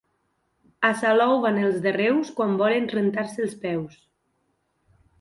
A Salou van els de Reus quan volen rentar-se els peus.